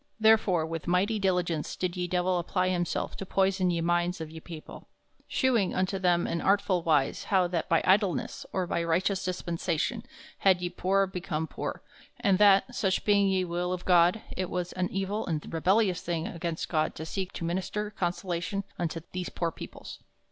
Therefore with mighty diligence did ye Divell apply himself to poyson ye minds of ye people, shewing unto them in artful wise how that by idleness or by righteous dispensation had ye poore become poore, and that, soche being ye will of God, it was an evill and rebellious thing against God to seeke to minister consolation unto these poore peoples.